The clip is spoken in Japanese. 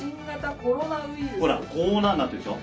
ほら「コウナ」になってるでしょ。